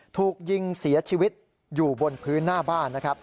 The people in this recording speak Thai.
ถูกยิงเสียชีวิตอยู่บนพื้นหน้าบ้านนะครับ